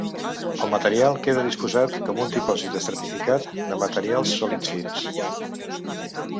El material queda disposat com un dipòsit estratificat de materials sòlids fins.